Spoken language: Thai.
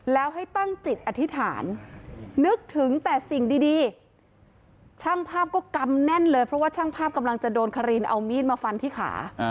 แล้วให้ตั้งจิตอธิษฐานนึกถึงแต่สิ่งดีช่างภาพก็กำแน่นเลยเพราะว่าช่างภาพกำลังจะโดนคารีนเอามีดมาฟันที่ขา